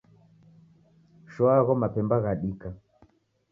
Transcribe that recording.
Shoa agho mapemba ghadika.